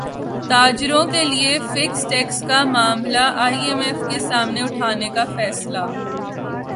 تاجروں کیلئے fixed tax کا معاملہ ائی ایم ایف کے سامنے اٹھانے کا فیصلہ